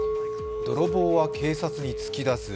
泥棒は警察に突き出す。